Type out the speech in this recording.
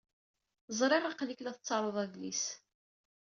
Ẓṛiɣ aql-ik la tettaruḍ adlis.